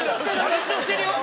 緊張してるよ。